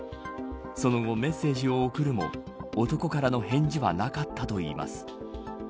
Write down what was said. その後メッセージを送るも男からの返事はなかったといいます。